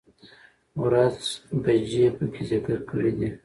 ،ورځ، بجې په کې ذکر کړى دي